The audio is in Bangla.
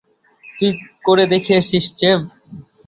তুই করে দেখিয়েছিস, চ্যাম্প।